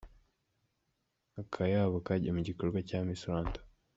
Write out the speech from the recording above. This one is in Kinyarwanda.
Akayabo kagiye mu gikorwa cya Miss Rwanda .